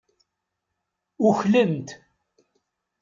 Uklen-t.